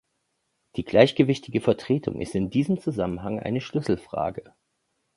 Die gleichgewichtige Vertretung ist in diesem Zusammenhang eine Schlüsselfrage.